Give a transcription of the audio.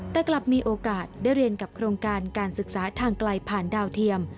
แต่กลับมีโอกาสได้เรียนกับโครงการการศึกษาทางไกลผ่านดาวเทียม